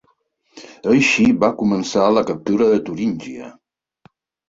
Així va començar la captura de Turíngia.